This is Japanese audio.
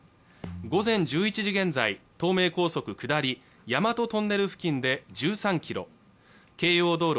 午前１１時現在東名高速下り大和トンネル付近で１３キロ京葉道路